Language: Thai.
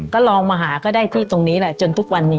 ก็ลองมาหาก็ได้ที่ตรงนี้แหละจนทุกวันนี้